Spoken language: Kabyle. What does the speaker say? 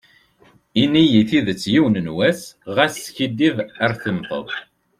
Ini-yi tidet yiwen was, ɣas skiddib ar temteḍ.